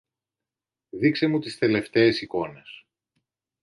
Δείξε μου τις τελευταίες εικόνες.